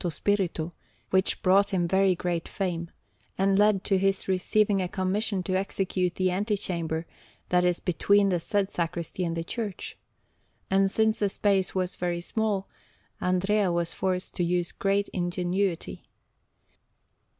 Spirito, which brought him very great fame, and led to his receiving a commission to execute the antechamber that is between the said sacristy and the church; and since the space was very small, Andrea was forced to use great ingenuity.